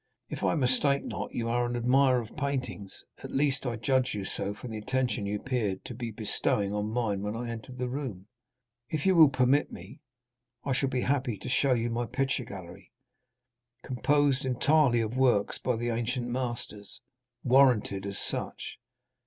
If I mistake not you are an admirer of paintings, at least I judged so from the attention you appeared to be bestowing on mine when I entered the room. If you will permit me, I shall be happy to show you my picture gallery, composed entirely of works by the ancient masters—warranted as such.